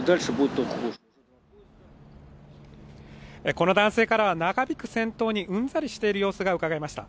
この男性からは、長引く戦闘にうんざりしている様子がうかがえました。